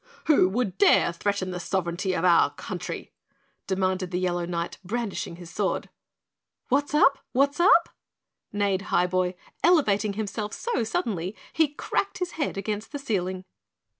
"Who would dare threaten the sovereignty of our country?" demanded the Yellow Knight, brandishing his sword. "What's up? What's up?" neighed Highboy, elevating himself so suddenly he cracked his head against the ceiling.